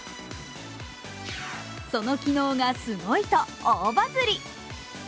その機能がすごいと大バズり。